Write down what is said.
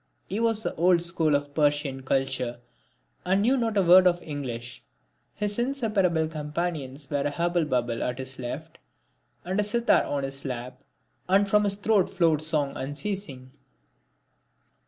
He was of the old school of Persian culture and knew not a word of English. His inseparable companions were a hubble bubble at his left, and a sitar on his lap; and from his throat flowed song unceasing.